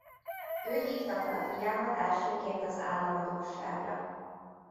Ő hívta fel a figyelmet elsőként az államadósságra.